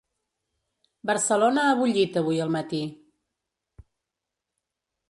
Barcelona ha bullit avui al matí.